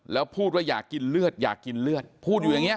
แล้วพูดว่าอยากกินเลือดอยากกินเลือดพูดอยู่อย่างนี้